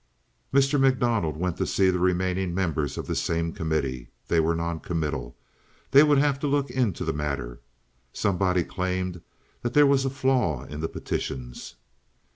Mr. MacDonald went to see the remaining members of this same committee. They were non committal. They would have to look into the matter. Somebody claimed that there was a flaw in the petitions.